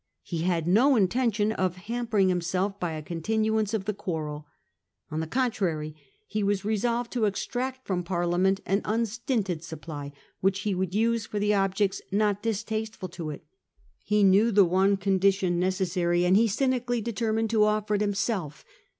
He had no intention of hamper ing himself by a continuance of the quarrel. On the contrary, he was resolved to extract from Parliament an unstinted supply, which he would use for the objects most distasteful to it. He knew the one condition necessary, and he cynically determined to offer it himself.